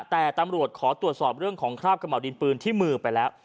แต่ตำรวจขอตรวจสอบเรื่องของคราบกระเห่าดินปืนที่มือไปแล้ว